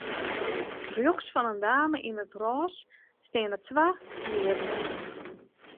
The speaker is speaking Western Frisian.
Rjochts fan 'e dame yn it rôs steane twa hearen.